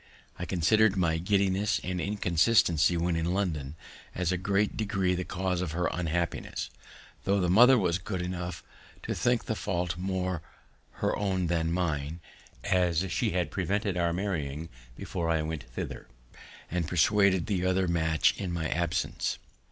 I considered my giddiness and inconstancy when in London as in a great degree the cause of her unhappiness, tho' the mother was good enough to think the fault more her own than mine, as she had prevented our marrying before I went thither, and persuaded the other match in my absence.